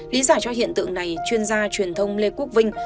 lý giải cho hiện tượng này chuyên gia truyền thông lê quốc vinh